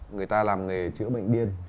người ta làm nghề chữa bệnh điên